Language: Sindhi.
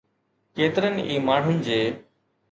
ڪيترن ئي ماڻهن جي